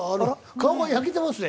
顔が焼けてますね。